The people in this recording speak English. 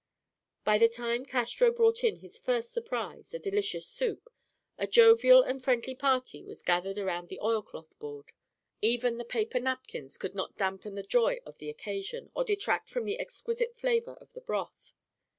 By the time Castro brought in his first surprise—a delicious soup—a jovial and friendly party was gathered around the oilcloth board. Even the paper napkins could not dampen the joy of the occasion, or detract from the exquisite flavor of the broth.